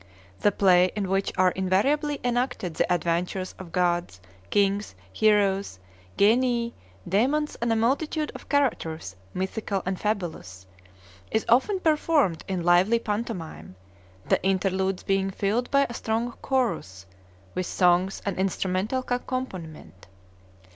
The play, in which are invariably enacted the adventures of gods, kings, heroes, genii, demons, and a multitude of characters mythical and fabulous, is often performed in lively pantomime, the interludes being filled by a strong chorus, with songs and instrumental accompaniment.